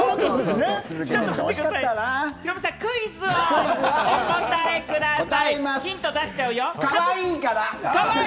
ヒロミさん、クイズをお答えください。